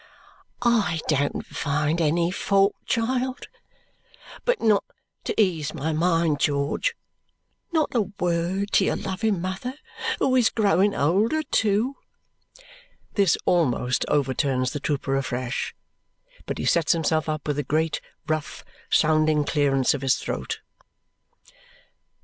"I don't find any fault, child but not to ease my mind, George? Not a word to your loving mother, who was growing older too?" This almost overturns the trooper afresh, but he sets himself up with a great, rough, sounding clearance of his throat.